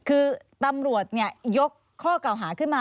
คือตำรวจนั้นยกข้อกาวหาขึ้นมา